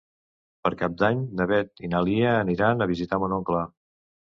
Per Cap d'Any na Beth i na Lia aniran a visitar mon oncle.